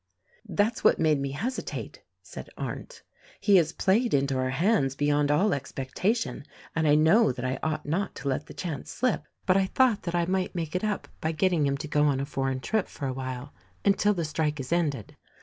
"That's what made me hesitate," said Arndt. "He has played into our hands beyond all expectation, and I know that I ought not to let the chance slip; but I thought that I might make it up by getting him to go on a foreign trip for a while — until the strike is ended.